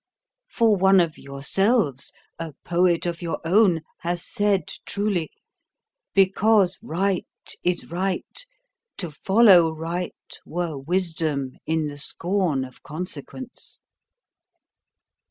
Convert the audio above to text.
For one of yourselves, a poet of your own, has said truly: 'Because right is right, to follow right Were wisdom in the scorn of consequence.'"